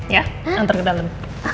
ya antar ke dalam